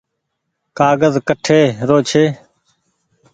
ڪآگز ڪٺي رو ڇي ۔